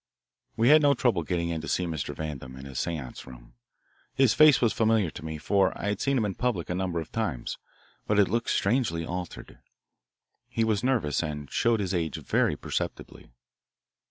We had no trouble in getting in to see Mr. Vandam in his seance room. His face was familiar to me, for I had seen him in public a number of times, but it looked strangely altered. He was nervous, and showed his age very perceptibly.